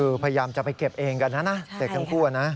คือพยายามจะไปเก็บเองกันนะนะเด็กทั้งคู่นะ